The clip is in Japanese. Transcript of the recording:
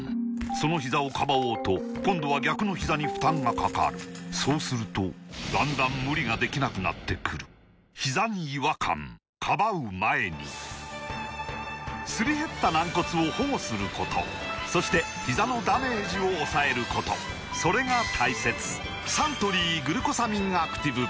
そのひざをかばおうと今度は逆のひざに負担がかかるそうするとだんだん無理ができなくなってくるすり減った軟骨を保護することそしてひざのダメージを抑えることそれが大切サントリー「グルコサミンアクティブ」